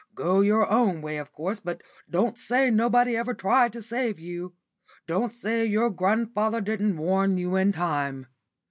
"Go your own way, of course, but don't say nobody ever tried to save you. Don't say your grandfather didn't warn you in time.